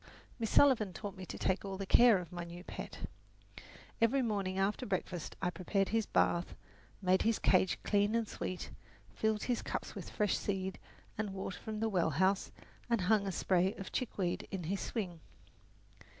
Miss Sullivan taught me to take all the care of my new pet. Every morning after breakfast I prepared his bath, made his cage clean and sweet, filled his cups with fresh seed and water from the well house, and hung a spray of chickweed in his swing.